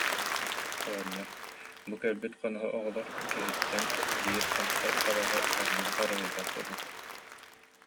Оҕонньор: «Бу кэлбит хоноһо оҕолор киһиттэн биир хамса табаҕы хаһан да харыһыйбат буолуҥ»